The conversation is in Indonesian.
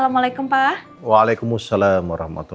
makanya problemnya malem kamu